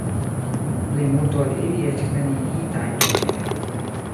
Plimulto el ili estis neniigitaj tute.